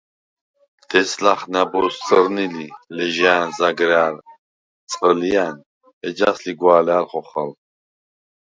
დეც ლახე ნა̈ბოზს წჷრნი ლი ლეჟა̄̈ნ, ზაგრა̈რ წყჷლჲა̈ნ, ეჯას ლიგვა̄ლა̄̈ლ ხოხალ.